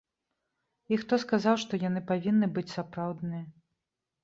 І хто сказаў, што яны павінны быць сапраўдныя?